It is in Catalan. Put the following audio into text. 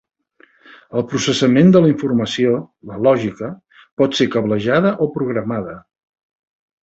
El processament de la informació, la lògica, pot ser cablejada o programada.